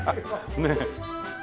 ねえ。